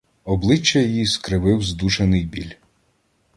Обличчя її скривив здушений біль.